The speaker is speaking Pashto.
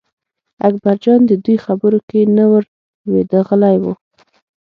اکبرجان د دوی خبرو کې نه ور لوېده غلی و.